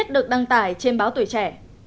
đăng tải trên báo tuổi trẻ